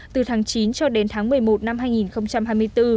từ tháng chín cho đến tháng một mươi một năm hai nghìn hai mươi bốn